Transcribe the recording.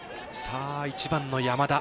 １番の山田。